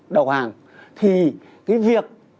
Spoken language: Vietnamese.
đầu hàng thì cái việc